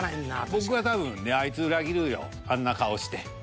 僕は多分「あいつ裏切るよあんな顔して」。